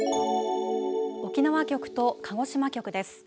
沖縄局と鹿児島局です。